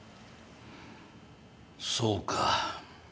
そうか。